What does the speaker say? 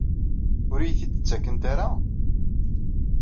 Ur iyi-t-id-ttakent ara?